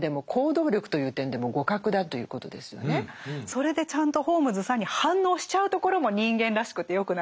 それでちゃんと「ホームズさん」に反応しちゃうところも人間らしくて良くないですか。